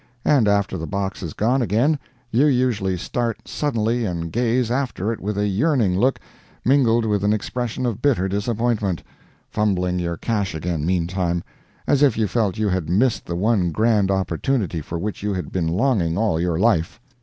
And after the box is gone again, you usually start suddenly and gaze after it with a yearning look, mingled with an expression of bitter disappointment (fumbling your cash again meantime), as if you felt you had missed the one grand opportunity for which you had been longing all your life.